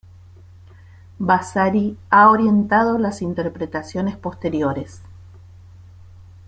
Vasari ha orientado las interpretaciones posteriores.